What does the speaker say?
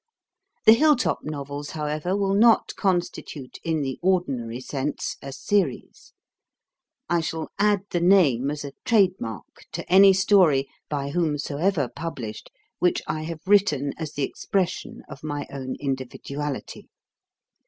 The Hill top Novels, however, will not constitute, in the ordinary sense, a series. I shall add the name, as a Trade Mark, to any story, by whomsoever published, which I have written as the expression of my own individuality.